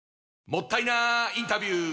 もったいなインタビュー！